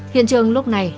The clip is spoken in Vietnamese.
hiện trường lúc này